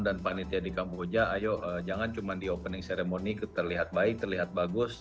dan panitia di kampung hoja ayo jangan cuma di opening ceremony terlihat baik terlihat bagus